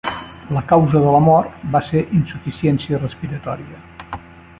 La causa de la mort va ser insuficiència respiratòria.